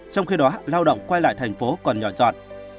trong khi đó lao động quay lại thành phố còn nhỏ giọt